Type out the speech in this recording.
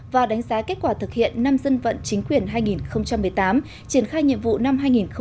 và đánh giá kết quả thực hiện năm dân vận chính quyền hai nghìn một mươi tám triển khai nhiệm vụ năm hai nghìn một mươi chín